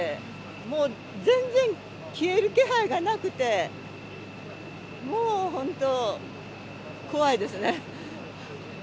もう、全然消える気配がなくて、もう本当怖いですね。